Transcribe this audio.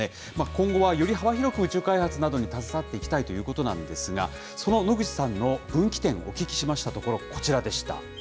今後はより幅広く宇宙開発などに携わっていきたいということなんですが、その野口さんの分岐点、お聞きしましたところ、こちらでした。